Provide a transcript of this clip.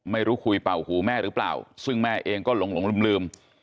ไม่รู้คุยเป่าหูแม่หรือเปล่าซึ่งแม่เองก็หลงลืม